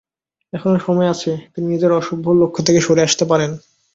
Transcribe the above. এখনো সময় আছে, তিনি নিজের অশুভ লক্ষ্য থেকে সরে আসতে পারেন।